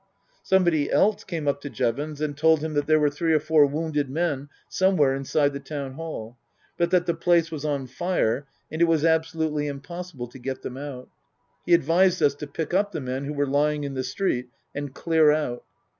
Somebody else came up to Jevons and told him that there were three or four wounded men somewhere inside the Town Hall, but that the place was on fire and it was absolutely impossible to get them out. He advised us to pick up the men who were lying in the street, and clear out.